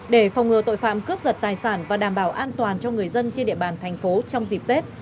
để phòng ngừa tội phạm cướp giật tài sản và đảm bảo an toàn cho người dân trên địa bàn thành phố trong dịp tết